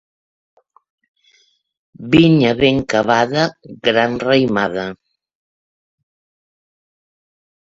Vinya ben cavada, gran raïmada.